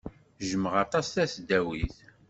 Jjmeɣ aṭas tasdawit.